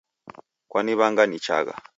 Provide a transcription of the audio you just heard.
Kaniw'anga nichagha